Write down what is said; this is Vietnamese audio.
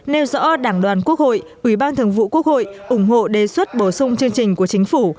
nêu rõ đảng đoàn quốc hội ủy ban thường vụ quốc hội ủng hộ đề xuất bổ sung chương trình của chính phủ